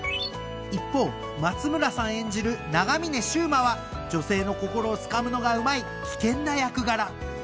［一方松村さん演じる長峰柊磨は女性の心をつかむのがうまい危険な役柄］